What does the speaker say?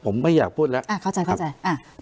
ผมไม่อยากพูดแล้วอ่าเข้าใจเข้าใจอ่ะ